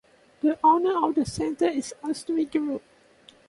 The owner of the center is Astri Group.